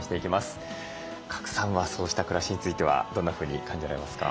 賀来さんはそうした暮らしについてはどんなふうに感じられますか？